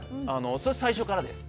それ最初からです。